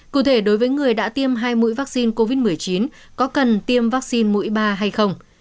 cụ thể đối với người đã tiêm hai mũi vaccine covid một mươi chín có cần tiêm vaccine mũi ba hay không